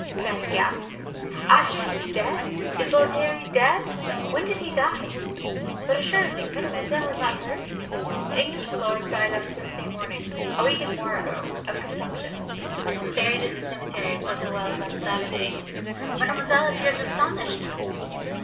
Fanny gasped. "After he is dead! Is Lord Harry dead? When did he die?" "But, assuredly, Mademoiselle has not heard? The English milord died on Thursday morning, a week and more ago, of consumption, and was buried in the cemetery of Auteuil last Saturday. Mademoiselle appears astonished."